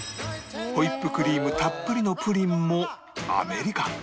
ホイップクリームたっぷりのプリンもアメリカン